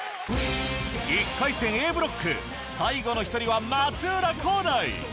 １回戦Ａブロック最後の１人は松浦航大